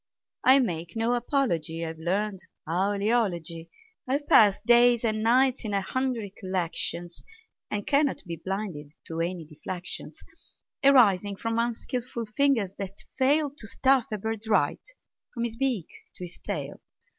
I make no apology; I've learned owl eology. I've passed days and nights in a hundred collections, And cannot be blinded to any deflections Arising from unskilful fingers that fail To stuff a bird right, from his beak to his tail.